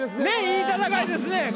ねぇいい戦いですね